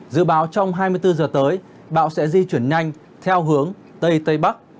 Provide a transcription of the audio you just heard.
dự báo trong hai mươi bốn giờ tới bão sẽ di chuyển nhanh theo hướng tây tây bắc